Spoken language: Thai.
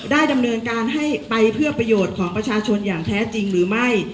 ดำเนินการให้ไปเพื่อประโยชน์ของประชาชนอย่างแท้จริงหรือไม่